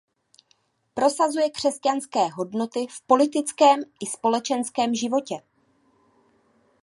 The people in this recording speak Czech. Prosazuje křesťanské hodnoty v politickém i společenském životě.